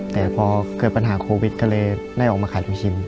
แต่พอเกิดปัญหาโควิดก็เลยได้ออกมาขายลูกชิ้น